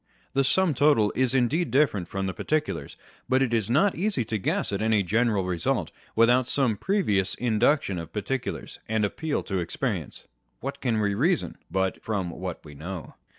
The sum total is indeed different from the particulars ; but it is not easy to guess at any general result, without some previous induction of particulars and appeal to experience. What can we reason, but from what we know